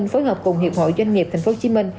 phối hợp cùng hiệp hội doanh nghiệp tp hcm